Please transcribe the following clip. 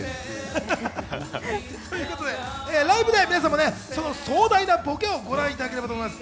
ライブでは皆さん、壮大なボケをご覧いただければと思います。